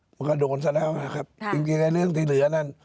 มันก็โดนซะแล้วนะครับจริงในเรื่องที่เหลือนั่น